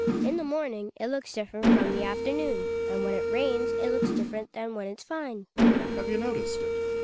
In the morning it looks different from the afternoon and when it rains it looks different than when it's fine. Gregers. Have you noticed it